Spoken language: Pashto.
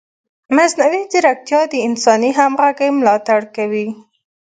مصنوعي ځیرکتیا د انساني همغږۍ ملاتړ کوي.